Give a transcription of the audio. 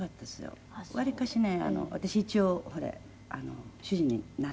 わりかしね私一応ほれ主人に習って。